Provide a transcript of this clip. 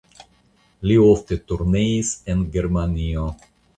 Li ofte turneis en Germanio.